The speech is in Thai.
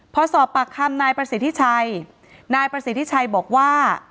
พอสอบปากคำนายประสิทธิชัยนายประสิทธิชัยบอกว่า